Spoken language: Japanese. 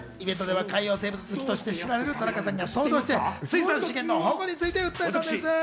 イベントでは海洋生物好きとして知られる田中さんが登場して水産資源の保護について訴えたんです。